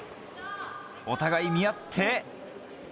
お互い見合って。